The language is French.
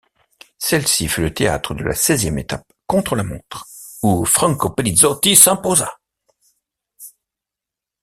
Celle-ci fut le théâtre de la seizième étape contre-la-montre, où Franco Pellizotti s'imposa.